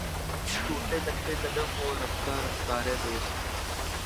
صورتِ نقشِ قدم ہوں رفتۂ رفتارِ دوست